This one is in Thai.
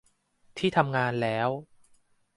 ที่ทำงานแล้ว